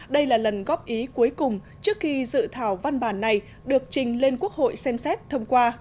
đây là lần góp ý cuối cùng trước khi dự thảo văn bản này được trình lên quốc hội xem xét thông qua